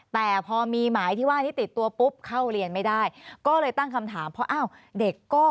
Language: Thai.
แต่พอมีหมายที่ว่านี้ติดตัวปุ๊บเข้าเรียนไม่ได้ก็เลยตั้งคำถามเพราะอ้าวเด็กก็